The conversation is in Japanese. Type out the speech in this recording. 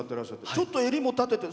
ちょっとえりも立てて。